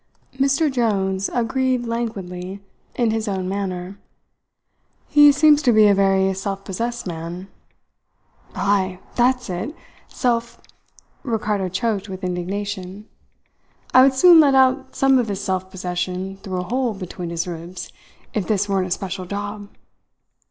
Mr Jones agreed languidly in his own manner: "He seems to be a very self possessed man." "Ay, that's it. Self " Ricardo choked with indignation. "I would soon let out some of his self possession through a hole between his ribs, if this weren't a special job!"